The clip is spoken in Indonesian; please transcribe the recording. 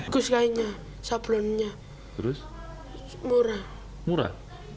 kus kainnya sablonnya murah